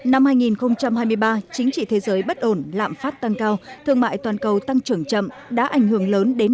năm hai nghìn hai mươi ba chính trị thế giới bất ổn lạm phát tăng cao thương mại toàn cầu tăng trưởng chậm đã ảnh hưởng lớn đến